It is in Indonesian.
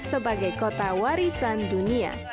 sebagai kota warisan dunia